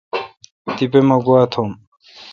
تیپہ مہ گوا توم۔